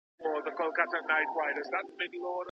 د ښووني پوهنځۍ له پامه نه غورځول کیږي.